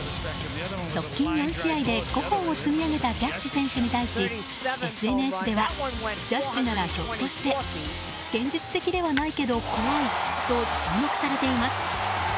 直近４試合で５本を積み上げたジャッジ選手に対しＳＮＳではジャッジならひょっとして現実的ではないけど怖いと注目されています。